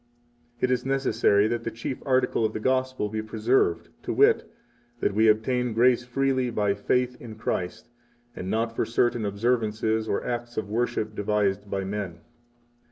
52 It is necessary that the chief article of the Gospel be preserved, to wit, that we obtain grace freely by faith in Christ, and not for certain observances or acts of worship devised by men.